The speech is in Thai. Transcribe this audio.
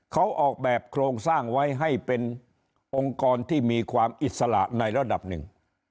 เขาออกแบบโครงสร้างไว้ให้เป็นองค์กรที่มีความอิสระในระดับหนึ่ง